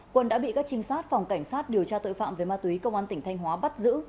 quân đã bị các trinh sát phòng cảnh sát điều tra tội phạm về ma túy công an tỉnh thanh hóa bắt giữ